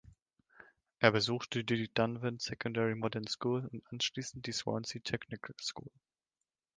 Er besuchte die Dunvant Secondary Modern School und anschließend die Swansea Technical School.